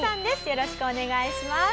よろしくお願いします。